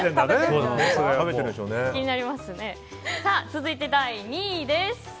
続いて、第２位です。